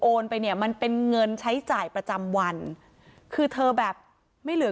ไปเนี่ยมันเป็นเงินใช้จ่ายประจำวันคือเธอแบบไม่เหลือ